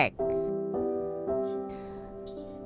dan kemudian kemudian kemudian kemudian kemudian